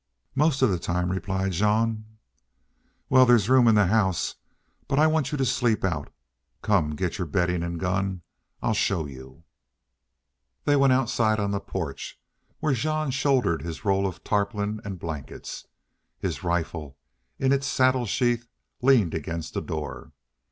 "Most of the time," replied Jean. "Wal, there's room in the house, but I want you to sleep out. Come get your beddin' an' gun. I'll show you." They went outside on the porch, where Jean shouldered his roll of tarpaulin and blankets. His rifle, in its saddle sheath, leaned against the door.